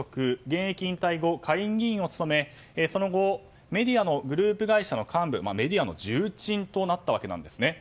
現役引退後、下院議員を務めその後メディアのグループ会社の幹部メディアの重鎮となったんですね。